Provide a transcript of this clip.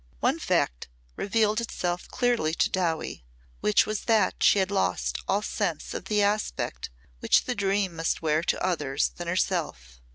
One fact revealed itself clearly to Dowie, which was that she had lost all sense of the aspect which the dream must wear to others than herself.